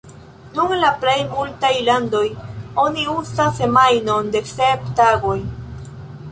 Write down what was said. Nun en la plej multaj landoj oni uzas semajnon de sep tagoj.